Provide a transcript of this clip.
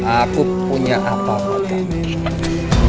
aku punya apa buat kamu